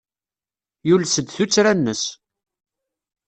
Yules-d tuttra-nnes.